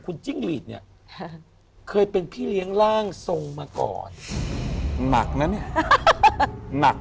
คุณจิ้งหลีดเนี่ยเคยเป็นพี่เลี้ยงร่างทรงมาก่อนหนักนะเนี่ยหนัก